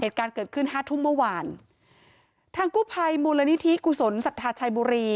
เหตุการณ์เกิดขึ้นห้าทุ่มเมื่อวานทางกู้ภัยมูลนิธิกุศลศรัทธาชัยบุรี